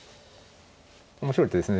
面白い手ですねでもね。